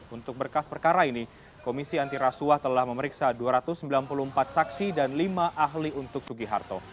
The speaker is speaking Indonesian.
untuk berkas perkara ini komisi antirasuah telah memeriksa dua ratus sembilan puluh empat saksi dan lima ahli untuk sugiharto